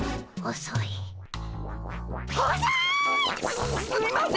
おそいっ！